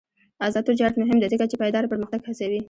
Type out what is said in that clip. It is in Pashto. آزاد تجارت مهم دی ځکه چې پایداره پرمختګ هڅوي.